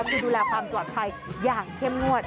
คือดูแลความปลอดภัยอย่างเข้มงวด